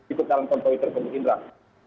ikut dalam convoy tersebut mungkin tidak